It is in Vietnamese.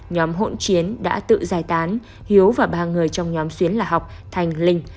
nhóm hộn chiến đã tự giải tán hiếu và ba người trong nhóm xuyến lao học thành linh